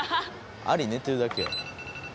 アリ寝てるだけや。